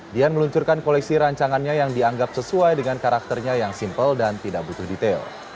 dian meluncurkan koleksi rancangannya yang dianggap sesuai dengan karakternya yang simpel dan tidak butuh detail